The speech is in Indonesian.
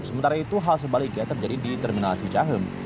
sementara itu hal sebaliknya terjadi di terminal cicahem